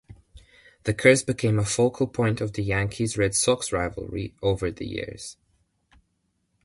The curse became a focal point of the Yankees-Red Sox rivalry over the years.